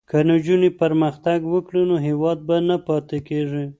که نجونې پرمختګ وکړي نو هیواد به نه پاتې کېږي.